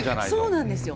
そうなんですよ。